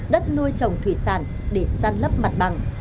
đất nuôi trồng thủy sản để săn lấp mặt bằng